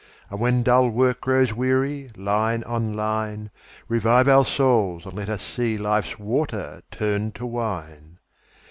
and when dull work Grows weary, line on line, Revive our souls, and let us see Life's water turned to wine.